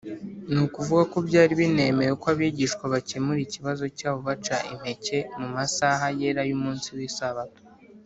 ni ukuvuga ko byari binemewe ko abigishwa bakemura ikibazo cyabo baca impeke mu masaha yera y’umunsi w’isabato